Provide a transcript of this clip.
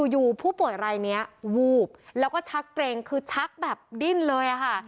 อยู่ผู้ป่วยรายนี้วูบแล้วก็ชักเกรงคือชักแบบดิ้นเลยค่ะ